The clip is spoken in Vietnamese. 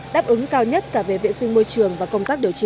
đáp ứng cao nhất cả về vệ sinh môi trường và công tác điều trị